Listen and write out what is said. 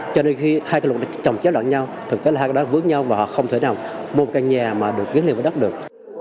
cho nên khi hai cái lục trồng chéo đoạn nhau thực tế là hai cái đó vướng nhau và họ không thể nào mua một căn nhà mà được ghiết lên với đất được